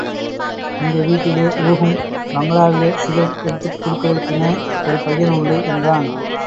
எங்க வீட்டிலே – ஊஹும், பங்களாவிலே சிகரெட் எடுத்துக் குடுக்கிறதுக்குன்னே ஒரு பையன் உண்டு! என்றான்.